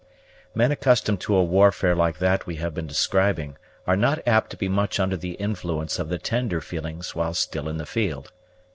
Men accustomed to a warfare like that we have been describing are not apt to be much under the influence of the tender feelings while still in the field.